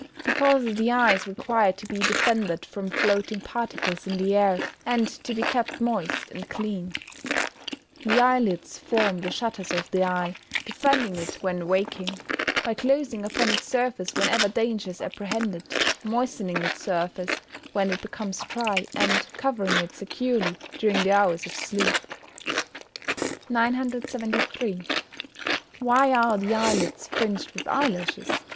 _ Because the eyes require to be defended from floating particles in the air, and to be kept moist and clean. The eyelids form the shutters of the eye, defending it when waking, by closing upon its surface whenever danger is apprehended, moistening its surface when it becomes dry, and covering it securely during the hours of sleep. 973. _Why are the eyelids fringed with eyelashes?